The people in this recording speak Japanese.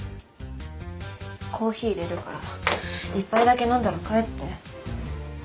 コーヒーいれるから１杯だけ飲んだら帰って。